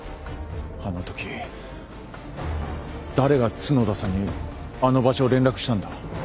あのとき誰が角田さんにあの場所を連絡したんだ？